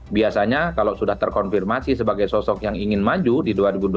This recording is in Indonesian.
biasanya kalau sudah terkonfirmasi sebagai sosok yang ingin maju di dua ribu dua puluh